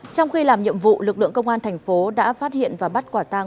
trong khi làm nhiệm vụ lực lượng công an thành phố đã phát hiện và bắt quả tang